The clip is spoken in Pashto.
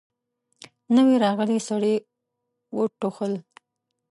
نوي راغلي سړي وټوخل.